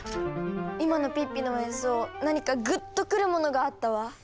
今のピッピの演奏何かグッとくるものがあったわ！